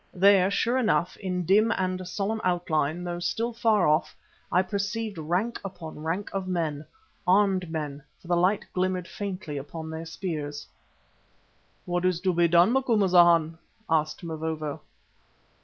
There, sure enough, in dim and solemn outline, though still far off, I perceived rank upon rank of men, armed men, for the light glimmered faintly upon their spears. "What is to be done, Macumazana?" asked Mavovo.